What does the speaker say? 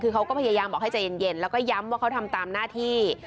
คือเขาก็พยายามบอกให้ใจเย็นแล้วก็ย้ำว่าเขาทำตามหน้าที่